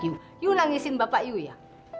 kamu nangisin bapak ya